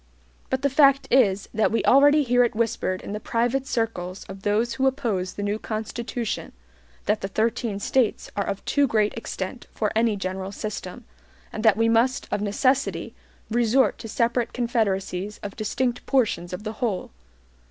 But the fact is, that we already hear it whispered in the private circles of those who oppose the new Constitution, that the thirteen States are of too great extent for any general system, and that we must of necessity resort to separate confederacies of distinct portions of the whole.